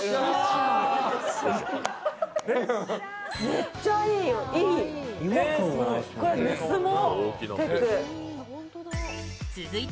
めっちゃいい！